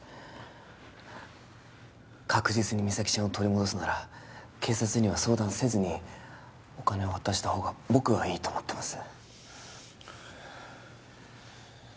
確実に実咲ちゃんを取り戻すなら警察には相談せずにお金を渡したほうが僕はいいと思ってます